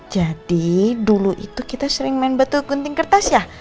jadi dulu itu kita sering main batu gunting kertas ya